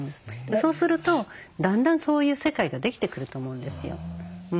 そうするとだんだんそういう世界ができてくると思うんですよ。